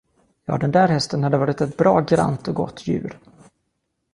Ja, den där hästen hade varit ett bra grant och gott djur.